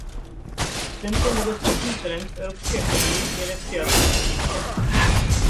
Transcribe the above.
Tento nebezpečný trend v Evropské unii je nepřijatelný!